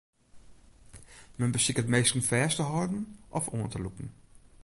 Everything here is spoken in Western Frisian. Men besiket minsken fêst te hâlden of oan te lûken.